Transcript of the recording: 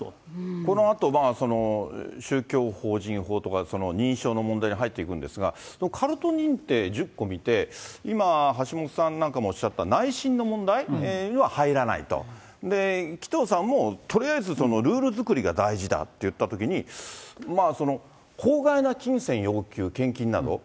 このあと、宗教法人法とか、その認証の問題に入っていくんですが、カルト認定１０個見て、今、橋下さんなんかもおっしゃった内心の問題というのは入らないと、紀藤さんもとりあえずルール作りが大事だといったときに、法外な金銭要求、献金など。